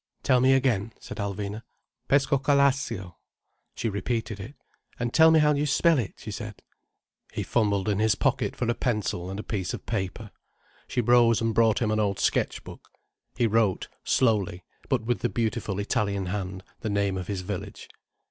"Tell me again," said Alvina. "Pescocalascio." She repeated it. "And tell me how you spell it," she said. He fumbled in his pocket for a pencil and a piece of paper. She rose and brought him an old sketch book. He wrote, slowly, but with the beautiful Italian hand, the name of his village.